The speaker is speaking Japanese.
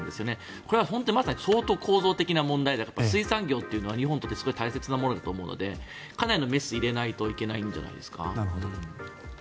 これは本当に相当、構造的な問題で水産業というのは日本にとって大切だと思うのでかなりのメスを入れないといけないんじゃないですか。